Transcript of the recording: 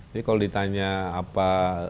jadi kalau ditanya apa